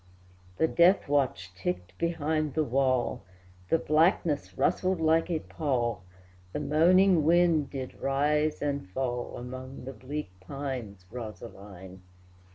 The death watch ticked behind the wall, The blackness rustled like a pall, The moaning wind did rise and fall Among the bleak pines, Rosaline!